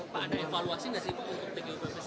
pak ada evaluasi nggak sih pak untuk tgupp ini